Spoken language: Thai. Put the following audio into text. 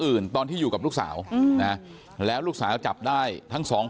เพราะไม่เคยถามลูกสาวนะว่าไปทำธุรกิจแบบไหนอะไรยังไง